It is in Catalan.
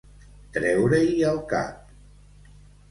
Treure-hi el cap.